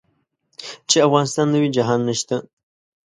چې افغانستان نه وي جهان نشته.